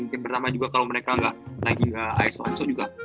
yang pertama juga kalo mereka ga lagi aiso aiso juga